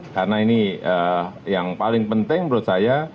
karena ini yang paling penting menurut saya